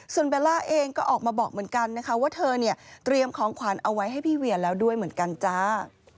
ส่วนเบลล่าเองก็ออกมาบอกเหมือนกันนะคะว่าเธอเนี่ยเตรียมของขวัญเอาไว้ให้พี่เวียแล้วด้วยเหมือนกันจ้า